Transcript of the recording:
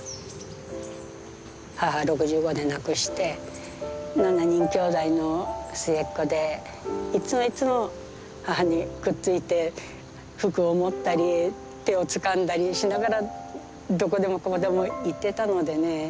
母６５で亡くして７人きょうだいの末っ子でいつもいつも母にくっついて服を持ったり手をつかんだりしながらどこでもここでも行ってたのでね